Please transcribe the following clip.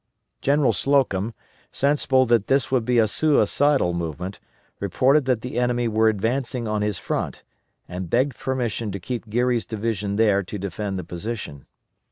General Slocum, sensible that this would be a suicidal movement, reported that the enemy were advancing on his front, and begged permission to keep Geary's division there to defend the position.